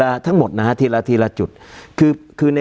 การแสดงความคิดเห็น